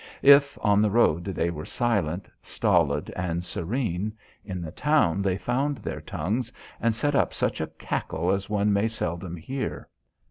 If, on the road, they were silent, stolid and serene, in the town they found their tongues and set up such a cackle as one may seldom hear.